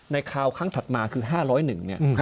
คราวครั้งถัดมาคือ๕๐๑เนี่ย